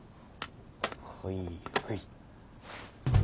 ほいほい。